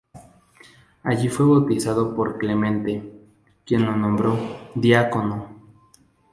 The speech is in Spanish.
Allí fue bautizado por Clemente, quien lo nombró diácono.